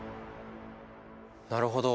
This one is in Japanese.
なるほど。